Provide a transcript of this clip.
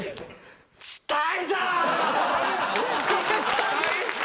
死体だ！